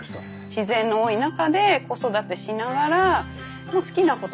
自然の多い中で子育てしながら好きなことできてるので。